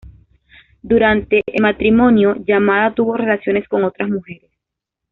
Durante el matrimonio, Yamada tuvo relaciones con otras mujeres.